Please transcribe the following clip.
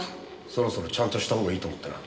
そろそろちゃんとした方がいいと思ってな。